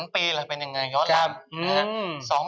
๓ปีน่ะเป็นยังไงยอดหลั่น